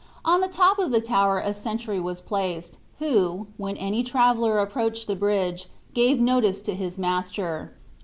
On the top of the tower a sentry was placed, who, when any traveller approached the bridge, gave notice to his master.